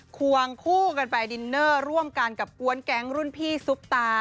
ควงคู่กันไปดินเนอร์ร่วมกันกับกวนแก๊งรุ่นพี่ซุปตา